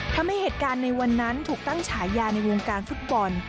ทำให้เหตุการณ์ในวันนั้นถูกตั้งฉายาในวงการฟุตบอล